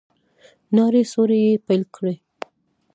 نارې سورې يې پيل کړې.